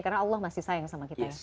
karena allah masih sayang sama kita